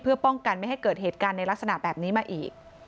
เพื่อป้องกันไม่ให้เกิดเหตุการณ์ในลักษณะแบบนี้มาอีก